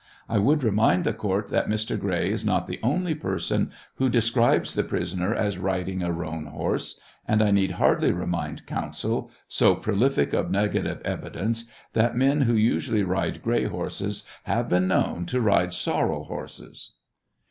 I would remind the court that Mr. Gray is not the only person who describes the pris oner as riding a roan horse, and I need hardly remind counsel so prolific of negative evidence, that men who usually ride gray horses have been known to ride sorrel horses.